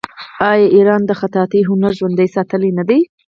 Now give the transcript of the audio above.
آیا ایران د خطاطۍ هنر ژوندی ساتلی نه دی؟